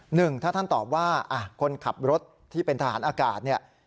หนึ่งถ้าท่านตอบว่าคนขับรถที่เป็นทหารอากาศเนี่ย